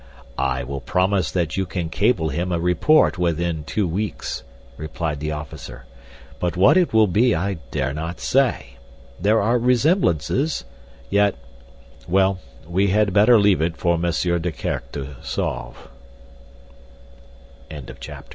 "I will promise that you can cable him a report within two weeks," replied the officer; "but what it will be I dare not say. There are resemblances, yet—well, we had better leave it for Monsieur Desquerc to solve." CHAPTER XXVII. The Giant Again A t